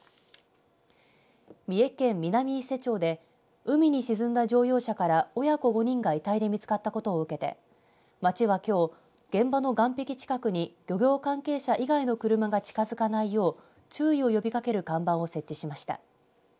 三重県南伊勢町で海に沈んだ乗用車から親子５人が遺体で見つかったことを受けて町はきょう現場の岸壁近くに漁業関係者以外の車が近づかないよう注意を呼びかける看板を設置しました。